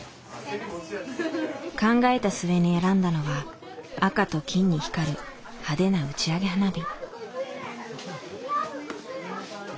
考えた末に選んだのは赤と金に光る派手な打ち上げ花火。